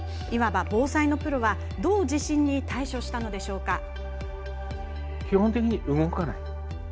いわば防災のプロは、どう地震に対処したのでしょうか？